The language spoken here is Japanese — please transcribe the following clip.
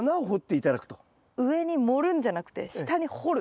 上に盛るんじゃなくて下に掘る。